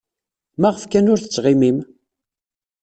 Maɣef kan ur tettɣimim?